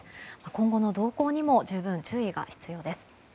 今後の動向にも十分、注意が必要です。